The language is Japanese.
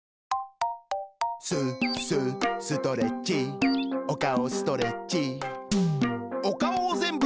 ススストレッチおかおストレッチおかおをぜんぶ